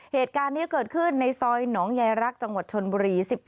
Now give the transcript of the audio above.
เหตุการณ์นี้เกิดขึ้นในซอยหนองยายรักจังหวัดชนบุรี๑๔